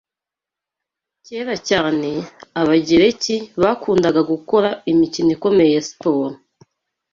Kera cyane, Abagereki bakundaga gukora imikino ikomeye ya siporo.